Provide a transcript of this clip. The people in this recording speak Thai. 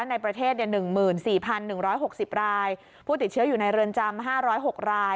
ในประเทศ๑๔๑๖๐รายผู้ติดเชื้ออยู่ในเรือนจำ๕๐๖ราย